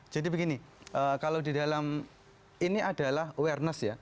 jadi begini kalau di dalam ini adalah awareness ya